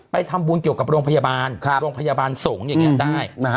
ไปทำบุญเกี่ยวกับโรงพยาบาลโรงพยาบาลสงฆ์อย่างนี้ได้